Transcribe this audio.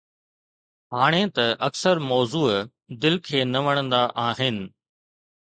هاڻي ته اڪثر موضوع دل کي نه وڻندا آهن.